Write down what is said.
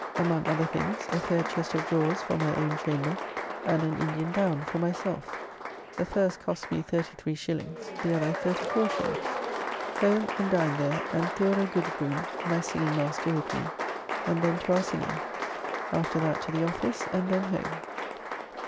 Among other things, a fair chest of drawers for my own chamber, and an Indian gown for myself. The first cost me 33s., the other 34s. Home and dined there, and Theodore Goodgroome, my singing master, with me, and then to our singing. After that to the office, and then home.